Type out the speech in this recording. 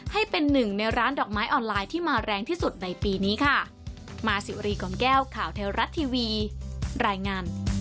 ให้เป็นหนึ่งในร้านดอกไม้ออนไลน์ที่มาแรงที่สุดในปีนี้ค่ะ